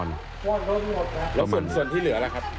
แล้วส่วนที่เหลือล่ะครับ